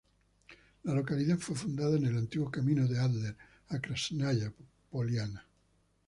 La localidad fue fundada en el antiguo camino de Ádler a Krásnaya Poliana.